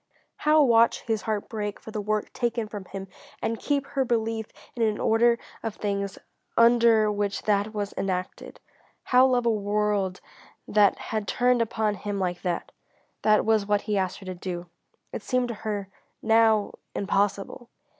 How watch his heart break for the work taken from him and keep her belief in an order of things under which that was enacted? How love a world that had turned upon him like that? That was what he asked her to do. It seemed to her, now, impossible.